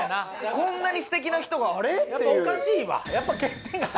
こんなにすてきな人があれ？っていう。